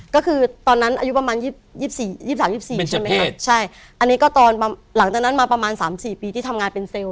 ก็คือตอนนั้นอายุประมาณ๒๓๒๔อันนี้ก็ตอนหลังจากนั้นประมาณมา๓๔ปีที่ทำงานเป็นเซล